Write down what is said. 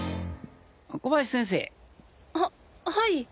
小林先生！ははい！